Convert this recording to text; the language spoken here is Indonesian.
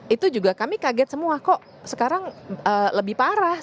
itu juga kami kaget semua kok sekarang lebih parah